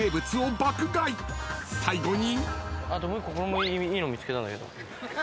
［最後に］